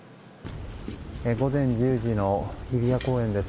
午前１０時の日比谷公園です。